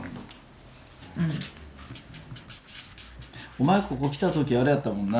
お前ここ来た時あれやったもんな。